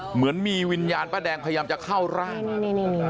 เหมือนมีวิญญาณป้าแดงกำลังเข้าร้าน